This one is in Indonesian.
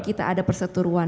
kita ada persatuan